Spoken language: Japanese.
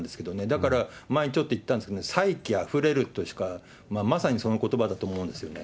だから前にちょっと言ったんですけど、才気あふれるとしか、まさにそのことばだと思うんですよね。